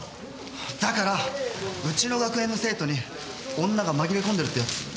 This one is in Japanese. だからうちの学園の生徒に女が紛れ込んでるってやつ。